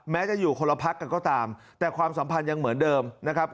จะอยู่คนละพักกันก็ตามแต่ความสัมพันธ์ยังเหมือนเดิมนะครับ